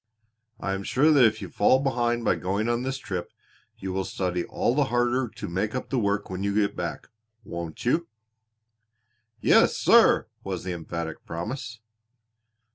I am sure that if you fall behind by going on this trip you will study all the harder to make up the work when you get back, won't you?" "Yes, sir!" was the emphatic promise.